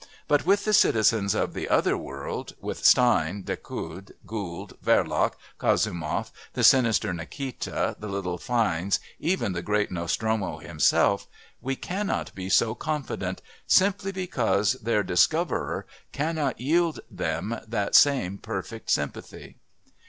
But with the citizens of the other world with Stein, Decoud, Gould, Verloc, Kazumov, the sinister Nikita, the little Fynes, even the great Nostromo himself we cannot be so confident, simply because their discoverer cannot yield them that same perfect sympathy.